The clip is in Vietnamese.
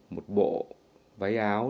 một bộ váy áo